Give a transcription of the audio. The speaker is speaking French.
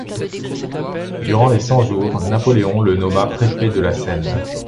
Durant les Cent-Jours, Napoléon le nomma préfet de la Seine.